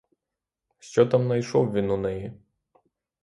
Що там найшов він у неї?